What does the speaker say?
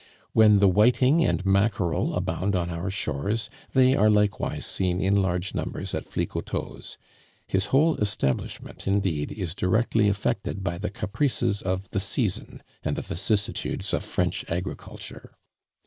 When the whiting and mackerel abound on our shores, they are likewise seen in large numbers at Flicoteaux's; his whole establishment, indeed, is directly affected by the caprices of the season and the vicissitudes of French agriculture.